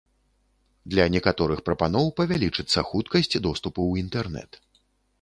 Для некаторых прапаноў павялічыцца хуткасць доступу ў інтэрнэт.